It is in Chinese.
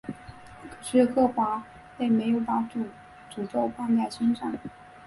可是赫华勒没有把诅咒放在心上。